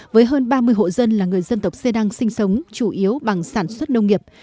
với hơn ba mươi hộ dân là người dân tộc xê đăng sinh sống chủ yếu bằng sản xuất nông nghiệp